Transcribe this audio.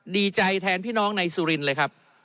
ดีใจแทนพี่น้องในสุรินเลยครับ